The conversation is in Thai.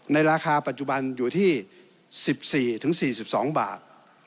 ในราคาปัจจุบันอยู่ที่๑๔๔๒บาท